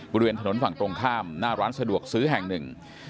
บริเวณถนนฝั่งตรงข้ามหน้าร้านสะดวกซื้อแห่งหนึ่ง